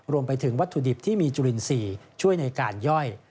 รวมไปถึงวัตถุดิบที่มีจุลิน๔เชื่อในการย่อย